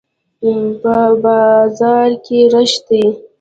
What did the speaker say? په بازار کښي رش دئ.